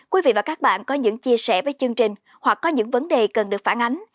quý vị và các bạn có những chia sẻ với chương trình hoặc có những vấn đề cần được phản ánh